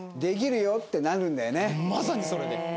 まさにそれで。